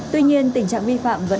tuy nhiên tình trạng vi phạm vẫn